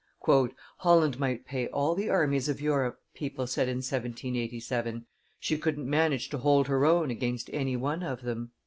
"Holland might pay all the armies of Europe," people said in 1787, "she couldn't manage to hold her own against any one of them."